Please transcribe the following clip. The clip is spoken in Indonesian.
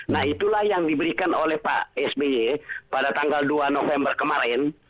nah itulah yang diberikan oleh pak sby pada tanggal dua november kemarin